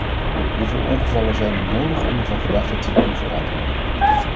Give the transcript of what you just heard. Hoeveel ongevallen zijn er nodig om me van gedachte te doen veranderen?